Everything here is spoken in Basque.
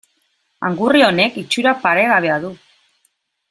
Angurria horrek itxura paregabea du.